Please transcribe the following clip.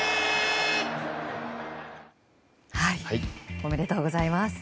おめでとうございます！